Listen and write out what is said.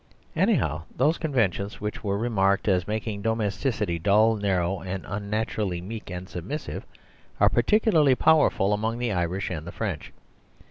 Anyhow, those conventions which were remarked as making domesticity dull, narrow and unnatu rally meek and submissive, are particularly powerful among the Irish and the French.